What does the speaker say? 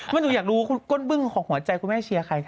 มันอยากรู้คุณก้นปึ้งของหัวใจคุณไม่ให้เชียร์ใครค่ะ